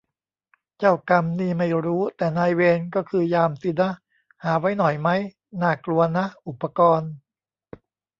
เจ้ากรรม นี่ไม่รู้ แต่ นายเวร ก็คือ ยาม สินะ หาไว้หน่อยมั๊ย ? น่ากลัวนะ อุปกรณ์